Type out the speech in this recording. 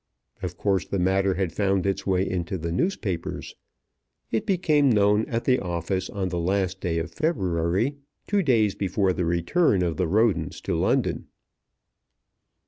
Of course the matter had found its way into the newspapers. It became known at the office on the last day of February, two days before the return of the Rodens to London.